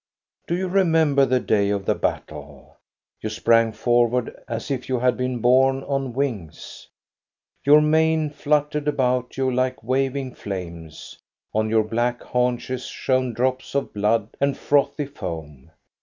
Do you remember the day of the battle? You sprang forward, as if you had been borne on wings, your mane fluttered about you like waving flames, on your black haunches shone drops of blood and frothy foam.